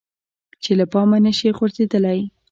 چې له پامه نشي غورځیدلی.